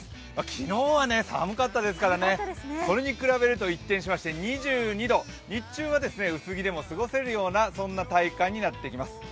昨日は寒かったですからそれに比べると一転しまして２２度日中は薄着でも過ごせるようなそんな体感になっています。